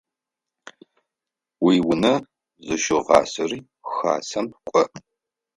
Уиунэ зыщыгъасэри Хасэм кӏо.